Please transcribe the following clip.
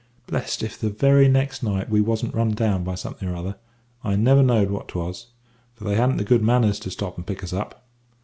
"Blest if the very next night we wasn't run down by something or other I never knowed what 'twas, for they hadn't the good manners to stop and pick us up.